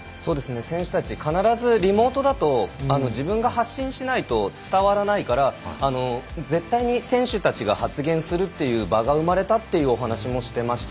選手たち必ずリモートだと自分が発信しないと伝わらないから絶対に選手たちが発言するという場面が生まれたという話もしていました。